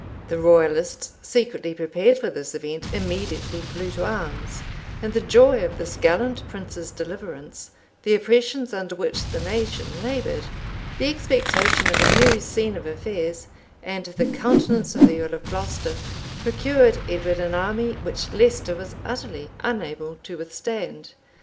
The royalists, secretly prepared for this event, immediately flew to arms; and the joy of this gallant prince's deliverance, the oppressions under which the nation labored, the expectation of a new scene of affairs, and the countenance of the earl of Glocester, procured Edward an army which Leicester was utterly unable to withstand.